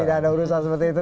tidak ada urusan seperti itu